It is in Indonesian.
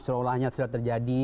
seolah olahnya sudah terjadi